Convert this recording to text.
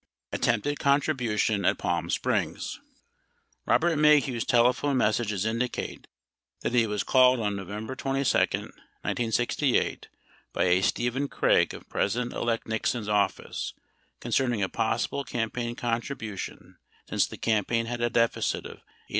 ATTEMPTED CONTRIBUTION AT PALM SPRINGS Robert Maheu's telephone messages indicate that he was called on November 22, 1968, by a Stephen Craig of President elect Nixon's office concerning a possible campaign contribution since the campaign had a deficit of $800, 000.